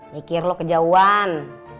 mikir lo kejauhan